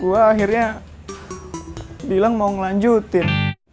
gue akhirnya bilang mau ngelanjutin